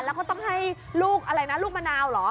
แล้วก็ต้องให้ลูกอะไรนะลูกมะนาวเหรอ